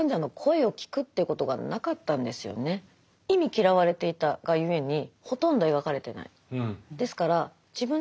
忌み嫌われていたがゆえにほとんど描かれてない。